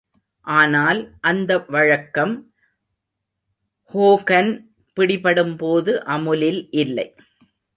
ஆனால் அந்த வழக்கம் ஹோகன் பிடிபடும்போது அமுலில் இல்லை.